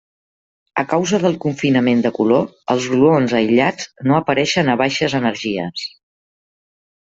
A causa del confinament de color, els gluons aïllats no apareixen a baixes energies.